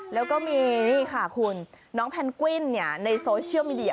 แล้วก็มีนี่ค่ะคุณน้องแพนกวินในโซเชียลมีเดีย